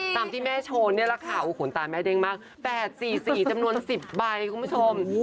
ตามที่แม่โชว์นี่แหละค่ะโอ้โหขนตาแม่เด้งมาก๘๔๔จำนวน๑๐ใบคุณผู้ชม